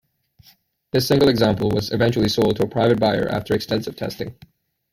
This single example was eventually sold to a private buyer after extensive testing.